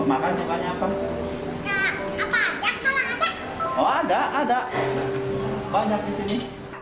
ada ada banyak di sini